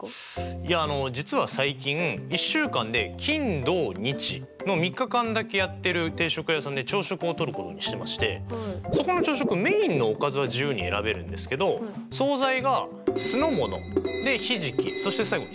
いやあの実は最近１週間で金土日の３日間だけやってる定食屋さんで朝食をとることにしてましてそこの朝食メインのおかずは自由に選べるんですけど総菜が酢の物ひじきそして最後に白あえ